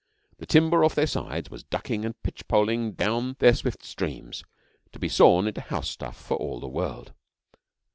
The timber off their sides was ducking and pitch poling down their swift streams, to be sawn into house stuff for all the world.